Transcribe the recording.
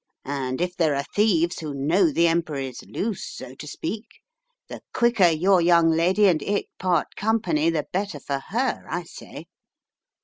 "And if there are thieves who know the 'Emperor' is loose, so to speak, the quicker your young lady and it part company, the better for her, I say."